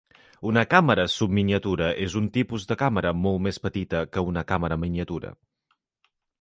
Una càmera subminiatura és un tipus de càmera molt més petita que una "càmera miniatura".